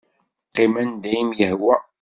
Qqim anda i m-yehwa.